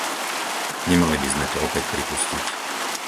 Nemali by sme to opäť pripustiť.